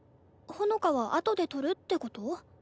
ほのかはあとで録るってこと？